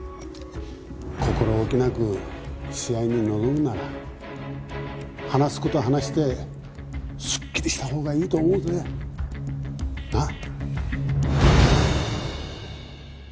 心置きなく試合に臨むなら話す事話してすっきりしたほうがいいと思うぜ。なあ？